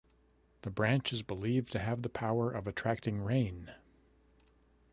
The branch is believed to have the power of attracting rain.